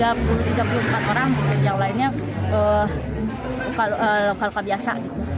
yang lainnya luka luka biasa